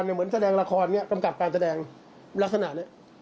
เหมือนแสดงละครเนี่ยกำกับการแสดงลักษณะนี้